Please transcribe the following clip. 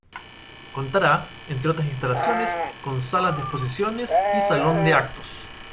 Contará, entre otras instalaciones, con sala de exposiciones y salón de actos.